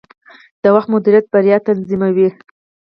د وخت مدیریت بریا تضمینوي.